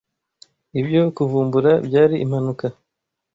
Ibyo kuvumbura byari impanuka.